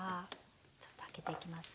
ちょっと開けていきます。